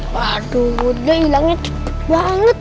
waduh udah hilangnya cepet banget